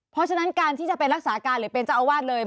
เพราะฉะนั้นการที่จะไปรักษาการหรือเป็นเจ้าอาวาสเลย